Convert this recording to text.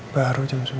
baru jam sembilan din